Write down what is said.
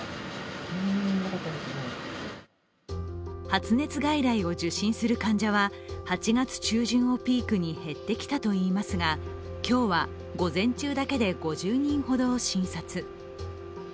発熱外来を受診する患者は８月中旬をピークに減ってきたといいますが今日は午前中だけで５０人ほどを診察。